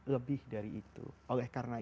lebih dari itu oleh karena